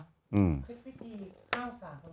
คุณพิจีส์เก้าสาร